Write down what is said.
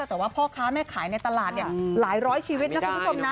แต่ว่าพ่อค้าแม่ขายในตลาดหลายร้อยชีวิตนะคุณผู้ชมนะ